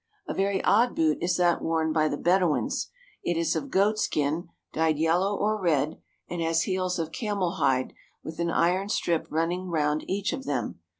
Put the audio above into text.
A very odd boot is that worn by the Bedouins. It is of goatskin dyed yellow or red and has heels of camelhide with an iron strip running round each of them.